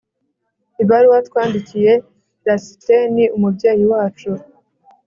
ibaruwa twandikiye lasiteni, umubyeyi wacu